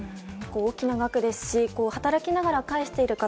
大きな額ですし働きながら返している方